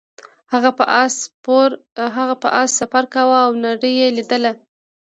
هغه په اس سفر کاوه او نړۍ یې لیدله.